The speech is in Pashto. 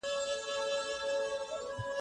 سافټویر انجنیري د خلاقیت لار ده.